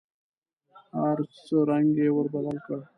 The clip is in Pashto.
د هر څه رنګ یې ور بدل کړ .